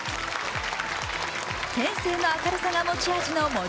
天性の明るさが持ち味の森。